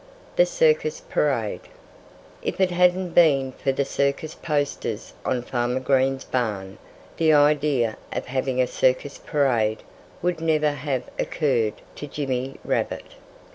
THE CIRCUS PARADE If it hadn't been for the circus posters on Farmer Green's barn, the idea of having a circus parade would never have occurred to Jimmy Rabbit.